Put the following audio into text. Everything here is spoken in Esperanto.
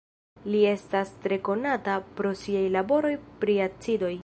Li estas tre konata pro siaj laboroj pri acidoj.